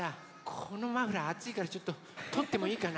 このマフラーあついからちょっととってもいいかな？